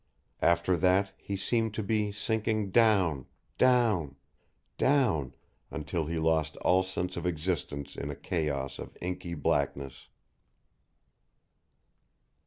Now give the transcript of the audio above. After that he seemed to be sinking down down down until he lost all sense of existence in a chaos of inky blackness.